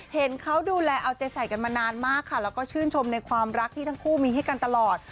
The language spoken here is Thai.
เห็นเขาดูแลเอาใจใส่กันมานานมากค่ะแล้วก็ชื่นชมในความรักที่ทั้งคู่มีให้กันตลอด